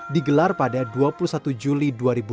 digelar pada dua puluh satu juli dua ribu dua puluh